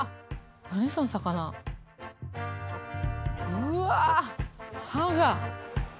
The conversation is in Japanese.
うわ歯が。